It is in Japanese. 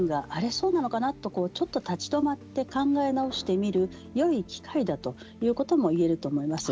そうなのかなってちょっと立ち止まって考え直してみるよい機会だということも言えると思います。